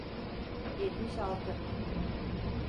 Yetmiş altı.